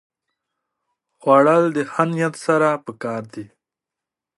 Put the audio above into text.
خوړل د ښه نیت سره پکار دي